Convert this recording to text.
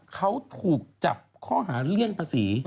เขาถูกจับข้อหาเลี่ยงภาษี